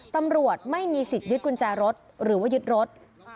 ตำรวจไม่มีสิทธิ์ยึดกุญแจรถหรือว่ายึดรถ